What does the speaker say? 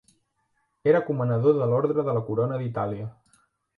Era comanador de l'Orde de la Corona d'Itàlia.